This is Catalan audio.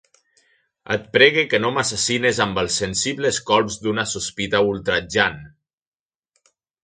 Et pregue que no m'assassines amb els sensibles colps d'una sospita ultratjant.